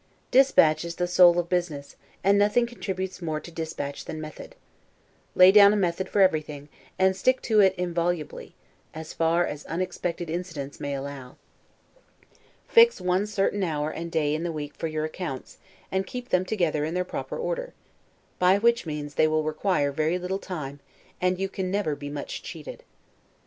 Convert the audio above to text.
Dispatch is the soul of business; and nothing contributes more to dispatch than method. Lay down a method for everything, and stick to it inviolably, as far as unexpected incidents may allow. Fix one certain hour and day in the week for your accounts, and keep them together in their proper order; by which means they will require very little time, and you can never be much cheated.